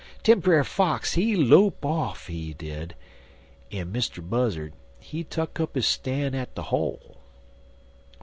Den Brer Fox, he lope off, he did, en Mr. Buzzard, he tuck up his stan' at de hole.